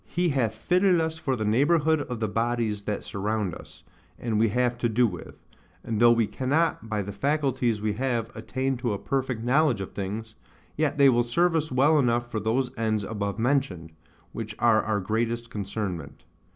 He hath fitted us for the neighbourhood of the bodies that surround us, and we have to do with; and though we cannot, by the faculties we have, attain to a perfect knowledge of things, yet they will serve us well enough for those ends above mentioned, which are our great concernment.